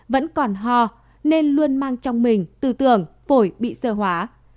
vẫn còn ho nên luôn mang trong mình tư tưởng phổi bị sơ hóa